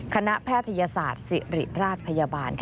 แพทยศาสตร์ศิริราชพยาบาล